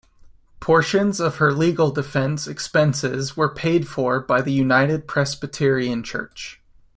Portions of her legal defense expenses were paid for by the United Presbyterian Church.